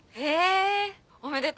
おめでとうだね。